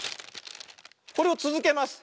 これをつづけます。